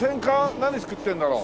何造ってるんだろう？